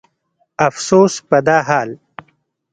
افسوس په دا حال